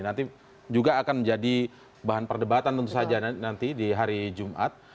nanti juga akan menjadi bahan perdebatan tentu saja nanti di hari jumat